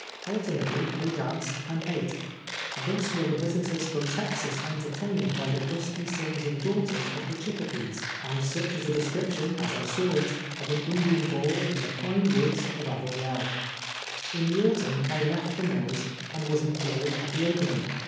Alternately they danced and ate. Thus were the visitors from Texas entertained by the dusky sons and daughters of the Chieopees, and such is a description, as I saw it, of an Indian ball in the Pine AVoods of Avoyelles. In the autumn, I left the mills, and was employed at the opening.